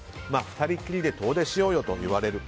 ２人きりで遠出しようよと言われる。